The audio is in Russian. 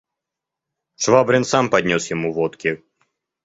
Швабрин сам поднес ему водки.